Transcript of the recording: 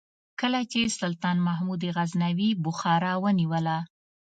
کله چې سلطان محمود غزنوي بخارا ونیوله.